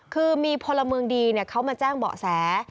คือมีพลเมืองดีเขามาแจ้งเบาะแส